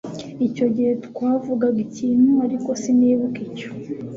Icyo gihe twavugaga ikintu, ariko sinibuka icyo.